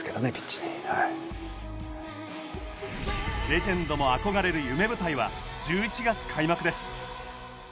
レジェンドも憧れる夢舞台は１１月開幕です。